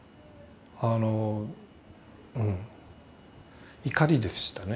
あのうん怒りでしたね